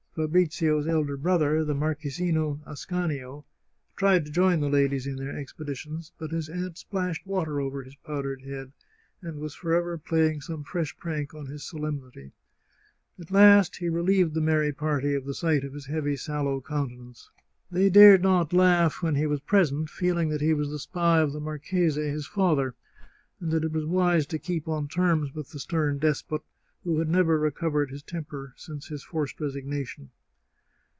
Fabrizio's elder brother, the Marchesino Ascanio, tried to join the ladies in their expeditions, but his aunt splashed water over his powdered head, and was forever playing some fresh prank on his solemnity. At last he relieved the merry party of the sight of his heavy sallow countenance. They dared not laugh when he was present, feeling that he 24 The Chartreuse of Parma was the spy of the marchese, his father, and that it was wise to keep on terms with the stern despot, who had never recovered his temper since his forced resignation.